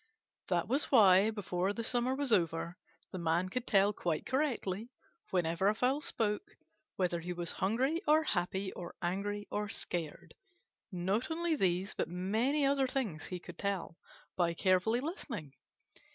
That was why, before the summer was over, the Man could tell quite correctly, whenever a fowl spoke, whether he was hungry or happy or angry or scared. Not only these, but many other things he could tell by carefully listening.